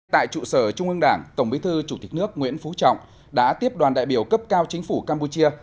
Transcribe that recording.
tại trụ sở trung ương đảng tổng bí thư chủ tịch nước nguyễn phú trọng đã tiếp đoàn đại biểu cấp cao chính phủ campuchia